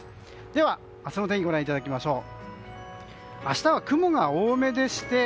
では、明日の天気をご覧いただきましょう。